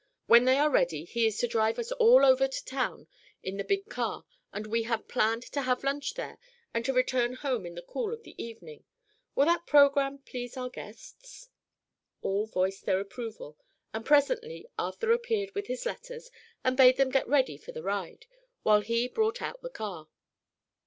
"When they are ready he is to drive us all over to town in the big car, and we have planned to have lunch there and to return home in the cool of the evening. Will that program please our guests?" All voiced their approval and presently Arthur appeared with his letters and bade them get ready for the ride, while he brought out the car.